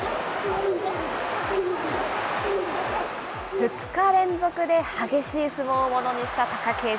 ２日連続で激しい相撲をものにした貴景勝。